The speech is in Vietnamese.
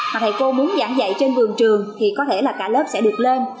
mà thầy cô muốn giảng dạy trên vườn trường thì có thể là cả lớp sẽ được lên